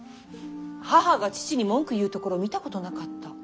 母が父に文句言うところ見たことなかった。